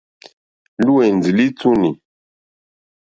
Lúwɛ̀ndì lítúnì.